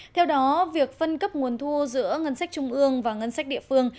theo đó việc phân cấp nguồn thu giữa ngân sách trung ương và ngân sách địa phương